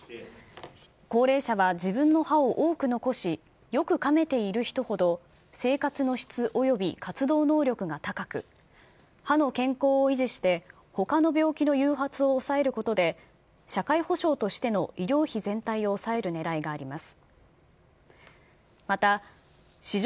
高齢者は自分の歯を多く残し、よくかめている人ほど生活の質および活動能力が高く、歯の健康を維持してほかの病気の誘発を抑えることで、社会保障としての医療費全体を抑えるねらいがあります。